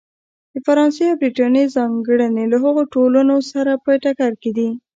د فرانسې او برېټانیا ځانګړنې له هغو ټولنو سره په ټکر کې دي.